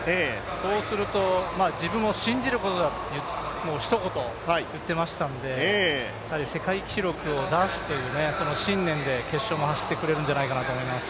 そうすると、自分を信じることだとひと言言ってましたんで世界記録を出すという信念で決勝も走ってくれるんじゃないかと思います。